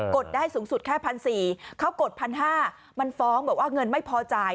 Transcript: กดได้สูงสุดแค่พันสี่เขากดพันห้ามันฟ้องแบบว่าเงินไม่พอจ่าย